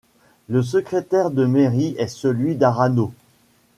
Le secrétaire de mairie est celui d'Arano.